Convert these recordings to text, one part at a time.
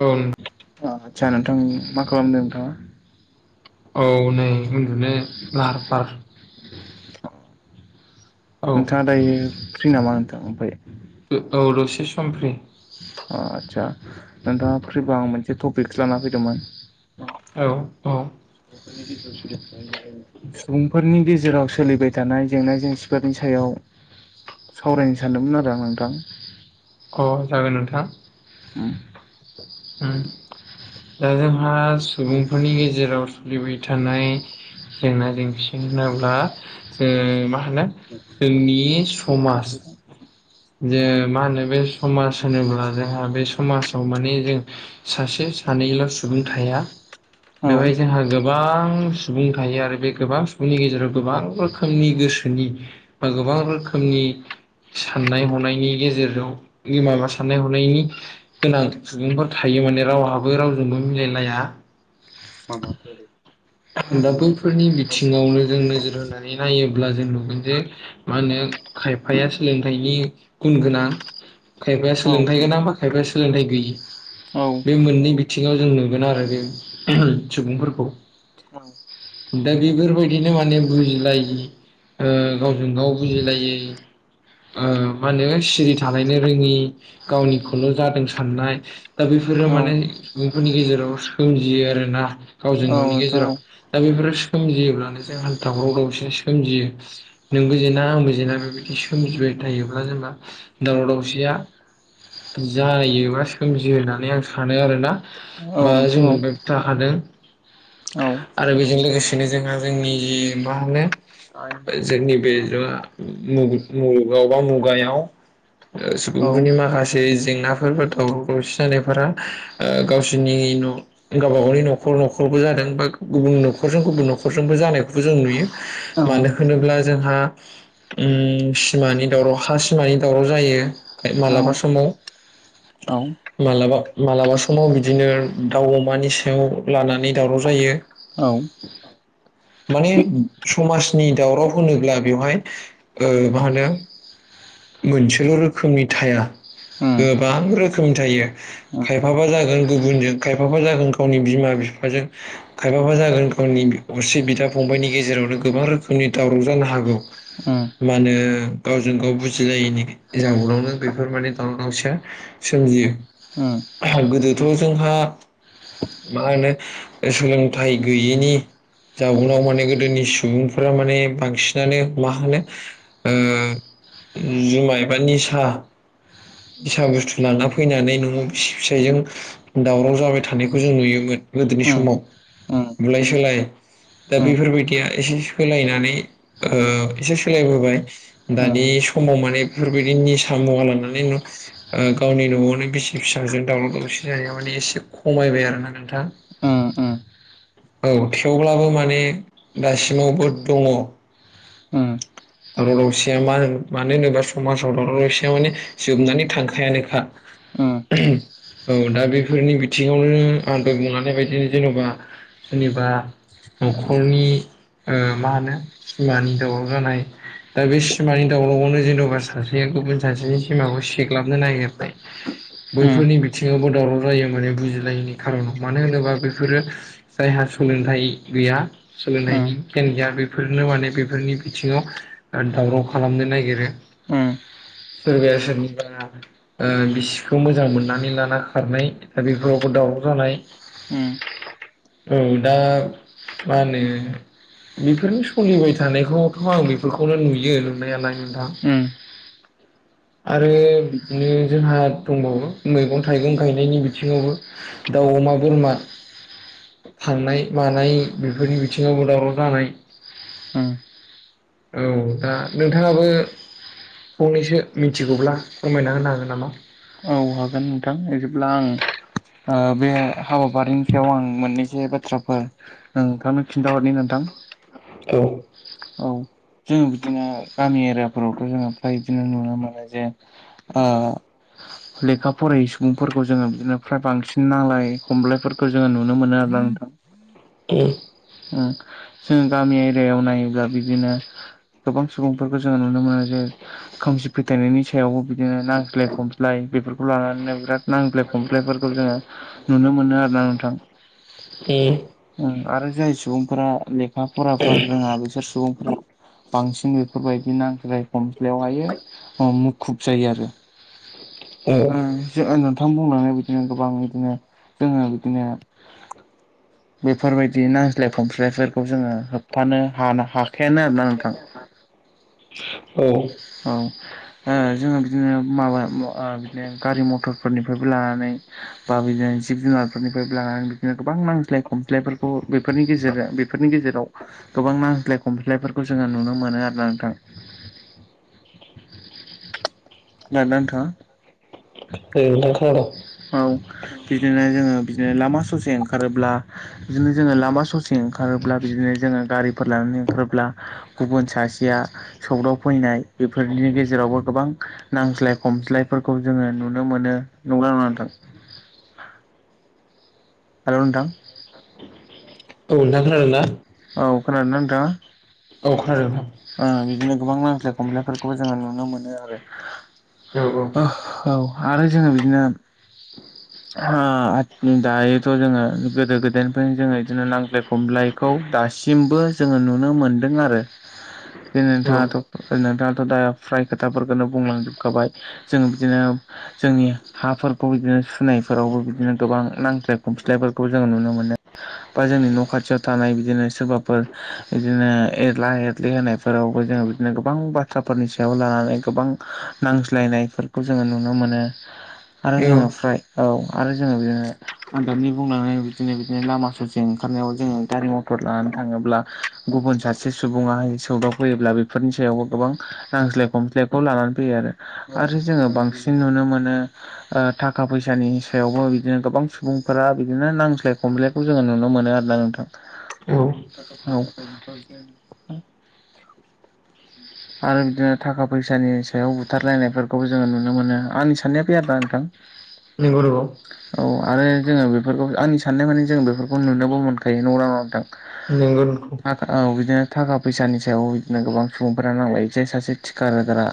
औ। आदसा नोंथां मा खालामदों नोंथाङा? औ नै उन्दुनो लाहार फाहार औ नोंथाङा दायो फ्रि नामा नोंथां ओमफ्राय? औ दसे सम फ्रि। अ आचसा नोंथांङा ‌फ्रिबा आं मोनसे टपिकसो लाना फैदोंमोन। औ-औ सुबुंफोरनि गेजेराव सोलिबाय थानाय जेंना जेंसिफोरनि सायाव सावरायनो सानदोंमोन आरो आं नोंथां। अ जागोन नोंथां। होम ओम दा जोंहा सुबुंफोरनि गेजेराव सोलिबाय थानाय जेंना जेंसि होनोब्ला जो मा होनो जोंनि समाज जे मा होनो बे समाज होनोब्ला जोंहा बे समाजाव माने जों सासे सानैल' सुबुं थाया बेवहाय जोंहा गोबां गोबां सुबुं थायो आरो बे गोबां सुबुंनि गेजेराव गोबां रोखोमनि गोसोनि ब गोबां रोखोमनि सा साननाय हनायनि गेजेरजों माबा साननाय हनायनि गोनां सुबुंफोर थायो माने राव रावहाबो रावजोंबो मिलायलाया। [unintelligible] [inaudible] दा बैफोरनि बिथिङावनो जों नोजोर होनानै नायोब्ला जों नुगोन जे मा होनो खायफाया सोलोंथाइनि गुन गोनां खायफाया सोलोंथाइ गोनां बा खायफाया सोलोंथाइ गैयि बे मोननै बिथिं बिथिंङाव जों नुगोन आरो बे ओम सुबुंफोरखौ दा बेफोरबायदि बिदिनो माने बुजिलायिओ ओ गावजों गाव बुजिलायै। ओ मा होनो सिरि थानायनो रोंङि गावनिखौल' जादों साननाय दा बेफोरो माने बेफोरनि गेजेराव सोमजियो आरो ना गावजों गावनि गे जेराव दा बेफोरो सो सोमजियोब्लानो जोंहा दावराव दावसि सोमजियो। नोंबो जेना आंबो जेना बेबायदि सोमजिबाय थायोब्ला जेनेबा दावराव दावसिया जायोबा सोमजियो होननानै आं सानो आरोना। औ औ नोंथां औ बा नोंथां जों नुबायबो थाखादों। औ आरो बेजों लोगोसेनो जोंहा जोंनि जि मा होनो? ओ जोंनि बे मा मुगु मुलुगाव बा मुगायाव ओ औ सुबुंफोरनि माखासे जेंनाफोर दावराव दावसि जानायफोरा ओ गावसोरनि इ न' गावबा गावनि न'खर न'खरबो जादों। ओ गुबुन न'खजों गुबुन न'खरजोंबो जानायखौबो जों नुयो। औ मानो होनोब्ला जोंहा‌ उम सिमानि दावराव हा सिमानि दावराव जायो। हाय मालाबा समाव। औ मालाबा मालाबा समाव बिदिनो दाउ, अमानि सायाव लानानै दावराव जायो। औ माने समाजनि दावराव होनोब्ला बेवहाय ओ मा होनो? मोनसेल' रोखोमनि थाया। गोबां रोखोमनि थायो। उम खायफाबा जागोन गुबुनजों खायफाबा जागोन गावनि बिमा बिफाजों। खायफाबा जागोन गावनि अरसे बिदा, फंबबायनि गेजेरावनो गोबां रोखोमनि दावराव जानो हागौ। उम मा होनो गावजों गाव बुजिलायैनि जाउनावनो बेफोर माने दावराव दावसिया सोमजियो। उम गोदोथ' जोंहा मा होनो ओ सोलोंथाइ गैयैनि जाउनाव माने गोदोनि सुबुंफोरा माने बांसिनानो मा होनो ओ जुमाय बा निसा सा बुस्थु लाना फैनानै न'आव बिसि फिसायजों दावराव जाबाय थानायखौ जों नुयोमोन। गोदोनि उम समाव उम बुलाय सोलाय दा बेफोरबायदिया एसे सोलायनानै ओ एसे सोलायबोबाय दानि समाव माने बेफोरबायदि निसा मुवा मोननानै [unintelligible] ओ गावनि न'आवनो बिसि फिसाजों दावराव दावसि जानायाव माने एसे खमायबाय आरोना नोंथां। ओ ओ औ थेवब्लाबो माने दासिमावबो दङ। उम दावराव दावसिया मा होन मानो होनोबा समाजाव दावराव दावसिया माने जोबनानै थांखायानोखा। उम औ दा बेफोरनि बिथिङावनो आं दहाय बुंलानाय बायदिनो जेन'बा सोरनिबा न'खरनि ओ मा होनो सिमानि दावराव जानाय। दा बे सिमानि दावरावावनो जेन'बा सासे गुबुन सासेनि सिमाखौ सेग्लाबनो नागिरनाय। उम बैफोरनि बिथिङावबो दावराव जायो माने बुजिलायैनि खारनाव। मानो होनोबा बैफोरो जायहा सोलोंथाइ गैया उम सोलोंथाइनि गियान गैया बेफोरनो माने बेफोरनि बिथिङाव ओ दावराव खालामनो नागिरो। उम सोरबाया सोरनिबा ओ बिसिखौ मोजां मोननानै लाना खारनाय। दा बेफोराव दावराव जानाय उम उम दा मा होनो? बेफोरनो सोलिबाय थानायखौथ' आं बेफोरखौनो नुयो नुनायालाय उम। उम आरो बिदिनो जोंहा दंबावो। मैगं थाइगं गायनायनि बिथिङावबो दा दाव, अमा, बोरमा थांनाय मानाय बेफोरनि बिथिङावबो दावराव जानाय उम औ दा नोंथाङाबो फंनैसो मिथिगौब्ला फोरमायना होनो हागोन नामा? बुंलांगोन नोंथां बिदिब्ला आं ओ बे हाबाफारिनि सायाव आं मोननैसो बाथ्राफोर नोंथांनो खिन्थाहरनि नोंथां। [unintelligible] औ औ जोङो बिदिनो गामि एरियाफोरावथ' जोङो फ्राय बिदिनो नुनो मोनो जे ओ औ [inaudible] लेखा फरायै सुबुंफोरखौ जोङो बिदिनो फ्राय बांसिन नांलाय खमलायफोरखौ जोङो नुनो मोनो आरोना नोंथां। उम ओं जोङो गामि एरियायाव नायोब्ला बिदिनो गोबां सुबुंफोरखौ जोङो नुनो मोनो जे खोमसि फोथायनायनि सायावबो बिदिनो नांज्लाय खमस्लाय बेफोरखौ लानानैनो बिराद नांज्लाय खमज्लायफोरखौ जोङो नुनो मोनो आरोना नोंथां। ओं आरो जाय सुबुंफोरा लेखा फराफोर रोङा बिसोर सुबुं फोर बांसिन बेफोरबायदि नांज्लाय खमज्लायावहाय मुखुब जायो आरो। उम ओं जो नों थां बुंलांनाय बिदिनो गोबां बिदिनो जोङो बिदिनो बेफोरबायदि नांज्लाय खमज्लायफोरखौ जोङो होबथानो हानो हा-हा खायानो आरोना नोंथां। औ औ औ ओ जोङो बिदिनो माबा मा गारि मथर फोरनिफ्रायबो लानानै बा बिदिनो जिब जुनारफोरनिफ्राय लानानै बिदिनो गोबां नांज्लाय खम ज्लाय फोरखौनि गेजेर बेफोरनि गेजेराव गोबां नांज्लाय खमफ्लायफोरखौ जोङो नुनो मोनो आरो नों थां खोनादों ना नोंथां? [unintelligible] औ बिदिनो जोङो बिदिनो लामा ससे ओंखारोब्ला बिदिनो जोङो लामा ससे ओंखारोब्ला बिदिनो जोङो गारिफोर लानानै ओंखारोब्ला गुबुन सासेया सौदाव फैनाय बेफोरनि गेजेरावबो गोबां नांज्लाय खमज्लायफोरखौ जोङो नुनो मोनो नंगोना नङा नोंथां? हेल' नोंथां औ नोंथां खोनादोंना? औ खोनादोंना नोंथाङा? औ खोनादों। नोंथां ओ बिदिनो गोबां नांस्लाय खमलायफोरखौबो जोङो नुनो मोनो आरो औ आरो जोङो बिदिनो दायोथ' जोङो गोदो गोदायनिफ्रायनो जोङो बिदिनो नांज्लाय खमलायखौ दा सिमबो जोङो नुनो मोनदों आरो। बे औ नोंथाङाथ' नोंथाङाथ' दा फ्राय खोथाफोरखौनो बुंलांजोबखाबाय जों बिदिनो जोंनि हाफोरखौ बिदिनो सुनायफोरावबो बिदिनो गोबां नांज्लाय खमस्लायफोरखौ जोङो नुनो मोनो। बा जोंनि न' खाथियाव थानाय बिदिनो सोरबाफोर बिदिनो एरला एर खोग्लैहायफोरावबो जोङो बिदिनो गोबां बाथ्राफोरनि सायाव लानानै गोबां नांज्लायनायफोरखौ जों नुनो मोनो। आरो औ औ जोङो फ्राय औ आरो जोङो बिदिनो आदबनि बुंलनाय बिदिनो बिदिनो लामा ससे ओंखार खारनायाव जोङो गारि मथर लाना थाङोब्ला गुबुन सासे सुबुं बुङाह सौदाव फैयोब्ला बेफोरनि सायावबो गोबां नांज्लाय खमस्लायखौ लानानै फैयो आरो आरो जों ङो बांसिन नुनो मोनो थाखा फैसानि सायावबो बिदिनो गोबां सुबुंफोरा बिदिनो नांज्लाय खमज्लायखौ जोङो नुनो मोनो आरोना औ नोंथां औ [inaudible] आरो बिदिनो थाखा फैसानि सायाव बुथारलायनायफोरखौबो जोङो नुनो मोनो आंनि साननाया फै आरो ना नोंथां। नोंगौ नोंगौ औ आरो जोङो बेफोरखौ आंनि साननाय मानानि जों बेफोरखौ नुनोबो मोनखायो नंगौना नंङा नोंथां नंगौ थाखा औ बिदिनो थाखा फैसानि सायाव बिदिनो गोबां सुबुंफोरा नांलायो जे सासे थिखागारा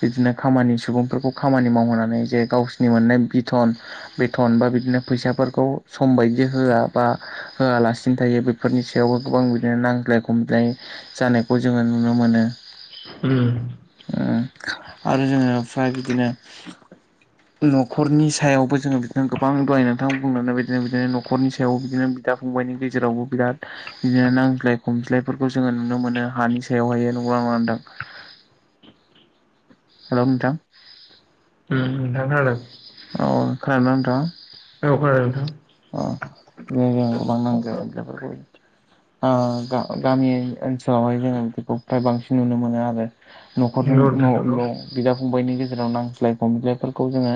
बिदिनो खामानि सु बुंफोरखौ खामानि मावहोनानै जे गावसोरनि मोननाय बिथन बिथथन बा बिदिनो फैसाफोरखौ सम बायदि होआ बा होआलासिनो थायो बेफोरनि सायावबो गोबां बिदिनो नांज्लाय खमज्लाय जानायखौ जोङो नुनो मोनो। उम उ आरो जोङो फ्राय बिदिनो न'खरनि सायावबो जोङो बिदिनो गोबां दहाय नोंथां बुंनानै बायदिनो बिदिनो न'खरनि सायावबो बिदिनो बिदा-फंबायनि गेजेरावबो बिराद बिदिनो नांज्लाय खमज्लायफोर खौ जोङो नुनो मोनो हानि सायावहाय नंगौना नङा नोंथां? हेल' नोंथां [inaudible] औ खोनादोंना औ खोनादों नोंथाङा [inaudible] ओ गा-गामि ओनसोलावहाय जोङो बिखौ फ्राय बांसिन नुनो मोनो आरो नोंथां न'खर जों नंगौ नोंथां न' न' बिदा-फंबायनि गेजेराव नांज्लाय खमज्लायफोरखौ जोङो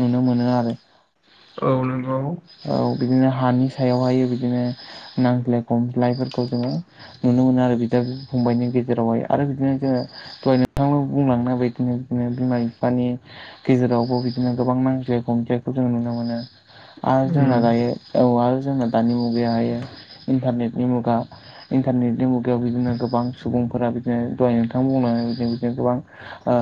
नुनो मोनो आरो गावजों गाव औ बिदिनो हानि सायावहाय बिदिनो नांज्लाय खमज्लायफोरखौ जोङो नुनो मोनो आरो बिदा-फंबायनि गेजेरावहाय आरो बिदिनो जोङो दहाय नोंथां बुंलांनाय बादिनो बिनो बिमा-बिफानि गेजेरावबो बिदिनो गोबां नांज्लाय गंज्लायखौ जों नुनो मोनो। आरो उम जोंना दायो औ आरो जोंना दानि मुगायावाहायो इन्टारनेटनि मुगा इन्टारनेटनि मुगायाव बिदिनो गोबां सुबुंफोरा बिदिनो दहाय नोंथां बुंनानै बिदिनो बिदिनो गोबां ओ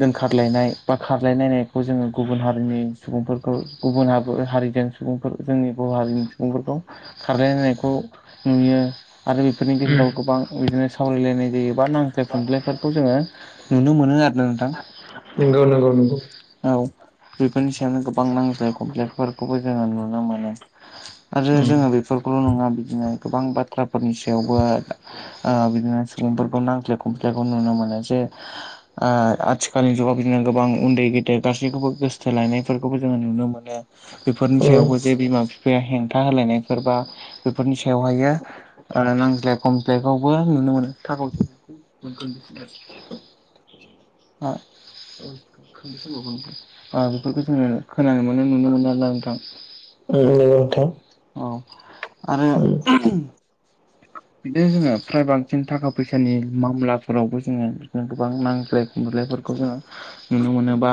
जोंखारलायनाय बा खारलायनायखौ जोङो गुबुन हारिनि सुबुंफोरखौ गुबुन हा-हारिजों सुबुं जोंनि बर' हारिनि सुबुंफोरखौ खारलायनायखौ नुयो आरो बेफोरनि उम गेजेराव गोबां बिदिनो सावरायलायनाय जायोबा नांज्लाय खमज्लायफोरखौ जोङो नुनो मोनो आरो नोंथां। नोंगौ नंगौ नंगौ औ बेफोरनि सायावनो गोबां नांज्लाय खमज्लायफोरखौबो जोङो नुनो मोनो आरो उम उम जोङो बेफोरखौ ल' नङा बिदिनो गोबां बाथ्राफोरनि सायावबो ओ बिदिनो सुबुंफोरखौ नांज्लाय खमज्लाय खौ नुनो मोनो जे ओ आथिखालनि जुगाव बिदिनो गोबां उन्दै गेदेर गासैखौबो गोसो थोलायनायफोरखौबो जोङो नुनो मोनो बेफोरनि सायावबो जे बिमा-बिफाया हेंथा होलायनायबा बेफोरनि सायावह नांज्लेमफ्लेावबो नुनो मोन [unintelligible] ओ बेफोरखौ जोङो खोनानो मोनो नुनो मोनो आरो नोंथां। उम नंगौ नोंथां औ आरो उम बिदिनो जोङो फ्राय बांसिन थाखा फैसानि मामलाफोरावबो जोङो बिदिनो गोबां नांज्लाय खमजलायफोर खौ जोङो नुनो मोनो बा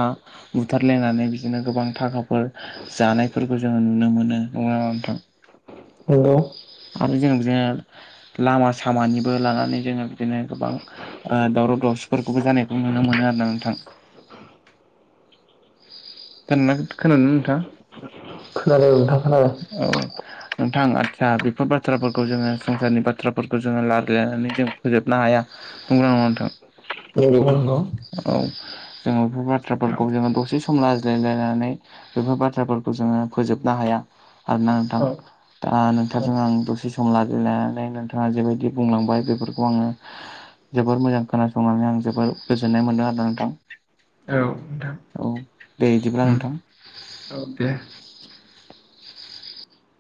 बुथारलायनानै बिदिनो गोबां थाखाफोर जानायफोरखौ जोङो नुनो मोनो। नोगोना नङा नोंथां हेल' आरो जों बिदिनो लामा सामानिबो लानानै जोङो बिदिनो गोबां ओ दावराव दावसिफोरखौबो जानायखौ नुनो मोनो आरो ना नोंथां। खोना खोनानोानो नोथां खोनादों नोंथां खोनादों नोंथां आदसा बेफोर बाथ्राफोरखौ जोङो संसारनि बाथ्राफोरखौ जोङो रायजायनानै जों फोजोबनो हाया नंगौना नंङा नोंथां औ नंगौ नंगौ औ जोङो बेफोर बाथ्राफोरखौ जोङो दसे सम ला जाय्लायनानै बेफोर बाथ्राफोरखौ जोङो फोजोबनो हाया आरो ना नोंथां। औ दा औ नोंथांजों आं दसे सम लाजिलायनानै नोंथाङा जेबायदि बुंलांबाय बेफोरखौ आङो जोबोर मोजां खोनासंनानै आं जोबोर गोजोननाय मोन्दों आरो ना औ नोंथां नोंथां। औ दे इदिब्ला उम नोंथां। औ दे